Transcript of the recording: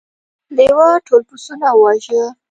لیوه ټول پسونه وواژه.